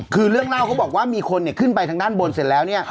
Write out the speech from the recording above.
คือเรื่องเล่าเขาบอกว่ามีคนขึ้นไปทางด้านบนเสร็จแล้วเนี่ย